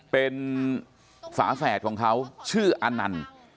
เป็นฝาแฝดของเขาชื่ออนันต์